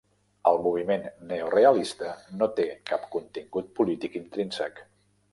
El moviment neorealista, no té cap contingut polític intrínsec.